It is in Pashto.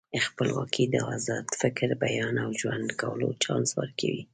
خپلواکي د ازاد فکر، بیان او ژوند کولو چانس ورکوي.